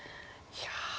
いや。